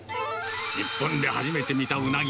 日本で初めて見たうなぎ。